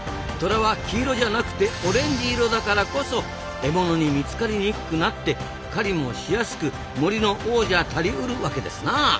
トラは黄色じゃなくてオレンジ色だからこそ獲物に見つかりにくくなって狩りもしやすく森の王者たりうるわけですな。